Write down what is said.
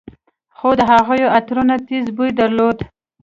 خو د هغوى عطرونو تېز بوى درلود.